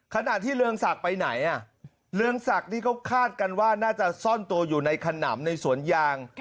ขณะที่เรืองศักดิ์ไปไหนเรืองศักดิ์ที่เขาคาดกันว่าน่าจะซ่อนตัวอยู่ในขนำในสวนยาง